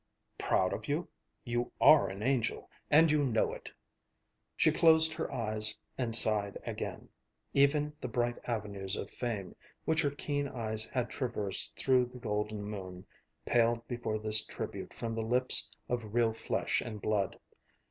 "Proud of you? You are an angel, and you know it." She closed her eyes and sighed again. Even the bright avenues of fame, which her keen eyes had traversed through the golden moon, paled before this tribute from the lips of real flesh and blood.